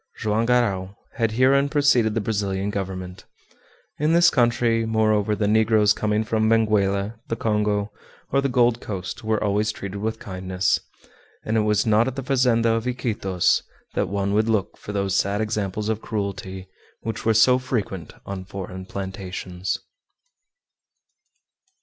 Joam Garral had herein preceded the Brazilian government. In this country, moreover, the negroes coming from Benguela, the Congo, or the Gold Coast were always treated with kindness, and it was not at the fazenda of Iquitos that one would look for those sad examples of cruelty which were so frequent on foreign plantations.